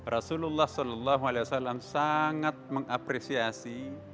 rasulullah saw sangat mengapresiasi